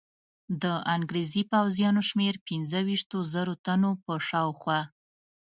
د انګرېزي پوځیانو شمېر پنځه ویشتو زرو تنو په شاوخوا.